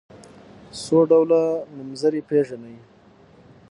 څو ډوله نومځري پيژنئ.